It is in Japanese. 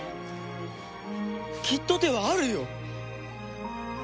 きっと手はあるよ。